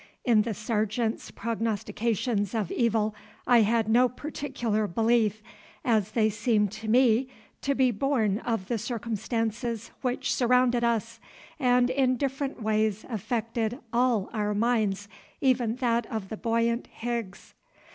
In the Sergeant's prognostications of evil I had no particular belief, as they seemed to me to be born of the circumstances which surrounded us, and in different ways affected all our minds, even that of the buoyant Higgs.